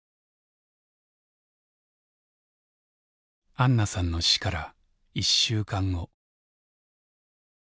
あんなさんの死から１週間後。